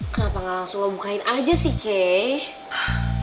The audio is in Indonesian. kenapa tidak langsung kamu buka saja keh